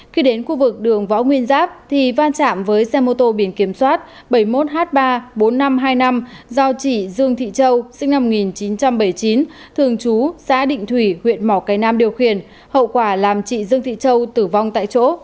khi đến khu vực đường võ nguyên giáp thì va chạm với xe mô tô biển kiểm soát bảy mươi một h ba bốn nghìn năm trăm hai mươi năm do chị dương thị châu sinh năm một nghìn chín trăm bảy mươi chín thường trú xã định thủy huyện mỏ cây nam điều khiển hậu quả làm chị dương thị châu tử vong tại chỗ